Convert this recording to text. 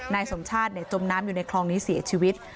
นายสมชาติจมน้ำอยู่ในคลองนี้เสียชีวิต